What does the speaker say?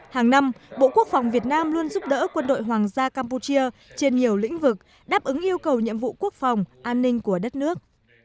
hàng năm bộ quốc phòng việt nam luôn giúp đỡ quân đội hoàng gia campuchia trên nhiều lĩnh vực đáp ứng yêu cầu nhiệm vụ quốc phòng an ninh của đất nước